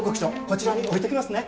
こちらに置いときますね。